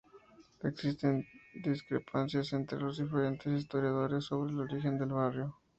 Existen discrepancias entre los diferentes historiadores sobre el origen del barrio.